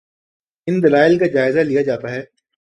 ان دلائل کا جائزہ لیا جاتا ہے۔